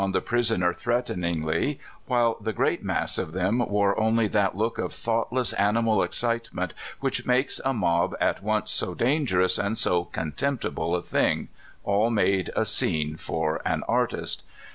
99 the prisoner threateningly, while the great mass of them wore only that look of thoughtless animal excitement which makes a mob at once so danger ous and so contemptible a thing — all made a scene for an artist.